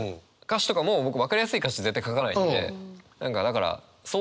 歌詞とかも僕分かりやすい歌詞絶対書かないんで。